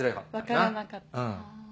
分からなかった。